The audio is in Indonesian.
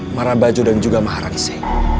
marabajo dan juga maharansi